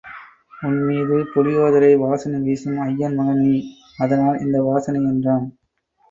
உன் மீது புளியோதரை வாசனை வீசும் அய்யர் மகன் நீ அதனால் இந்த வாசனை என்றான்.